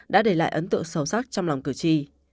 đã để lại ấn tượng sâu sắc trong lòng cử tri